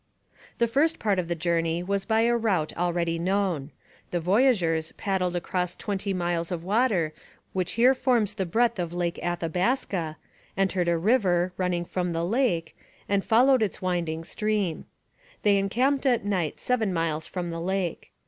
The first part of the journey was by a route already known. The voyageurs paddled across the twenty miles of water which here forms the breadth of Lake Athabaska, entered a river running from the lake, and followed its winding stream. They encamped at night seven miles from the lake.